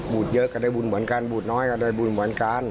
บวชเยอะก็ได้บวชเหมือนกันบวชน้อยก็ได้บวชเหมือนกัน